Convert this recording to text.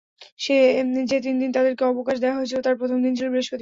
যে তিনদিন তাদেরকে অবকাশ দেয়া হয়েছিল তার প্রথমদিন ছিল বৃহস্পতিবার।